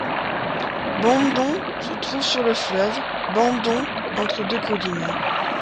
Bandon se trouve sur le fleuve Bandon, entre deux collines.